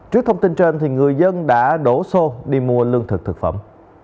trước thông tin trên người dân đã đổ xô đi mua lương thực thực phẩm